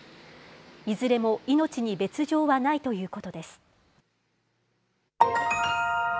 いずれも命に別状はないということです。